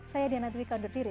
saya diana dwi kondertiri